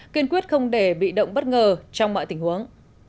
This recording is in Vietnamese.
kiên quyết không để bị động bất ngờ trong mọi tình huống